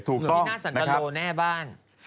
เหมือนที่น่าสันตโลแน่บ้าน